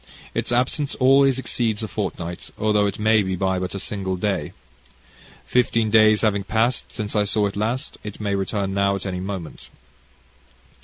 Its absence always exceeds a fortnight, although it may be but by a single day. Fifteen days having past since I saw it last, it may return now at any moment."